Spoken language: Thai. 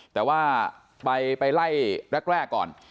แต่ว่าไปไล่แรกก่อน